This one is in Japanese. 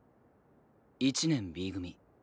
１年Ｂ組。